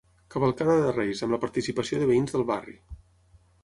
Cavalcada de reis, amb la participació de veïns del barri.